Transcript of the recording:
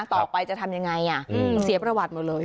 ต่อไปจะทำยังไงเสียประวัติหมดเลย